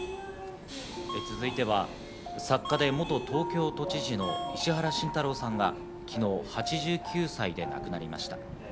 続いては作家で元東京都知事の石原慎太郎さんが昨日、８９歳で亡くなりました。